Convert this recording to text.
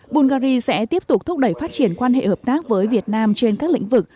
bungary sẽ tiếp tục thúc đẩy phát triển quan hệ hợp tác với việt nam trên các lĩnh vực